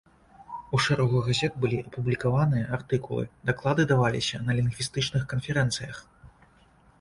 У шэрагу газет былі апублікаваныя артыкулы, даклады даваліся на лінгвістычных канферэнцыях.